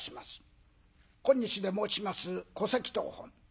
今日で申します戸籍謄本。